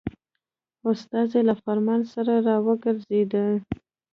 استازی له فرمان سره را وګرځېدی.